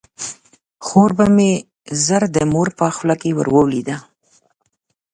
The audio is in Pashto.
خور به مې ژر د مور په خوله کې ور ولویده.